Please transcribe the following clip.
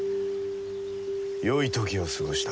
よい時を過ごした。